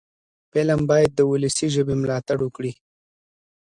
فلم باید د ولسي ژبې ملاتړ وکړي